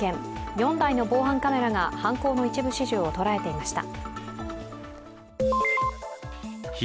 ４台の防犯カメラが犯行の一部始終を捉えていました。